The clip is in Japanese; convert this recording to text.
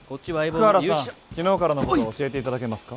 福原さん昨日からのことを教えていただけますか？